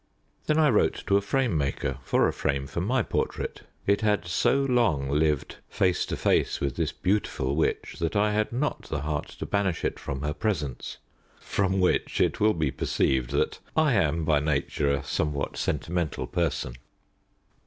Then I wrote to a frame maker for a frame for my portrait. It had so long lived face to face with this beautiful witch that I had not the heart to banish it from her presence; from which, it will be perceived that I am by nature a somewhat sentimental person.